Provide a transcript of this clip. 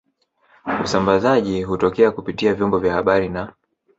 Usambazaji hutokea kupitia vyombo vya habari na